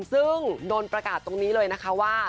ซึ่งโดนประกาศตรงนี้เลยนะคะว่า